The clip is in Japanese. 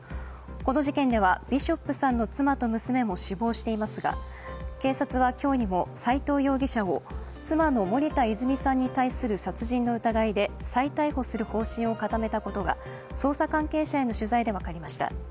この事件では、ビショップさんの妻と娘も死亡していますが警察は今日にも斉藤容疑者を妻の森田泉さんに対する殺人の疑いで再逮捕する方針を固めたことが捜査関係者への取材で分かりました。